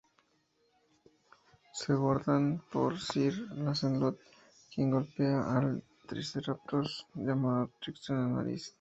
Se guardan por Sir Lancelot, quien golpea el Triceratops, llamado "Trixie", en la nariz.